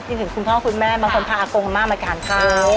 นึกถึงคุณพ่อคุณแม่บางคนพาอากงมากเหมือนกันค่ะ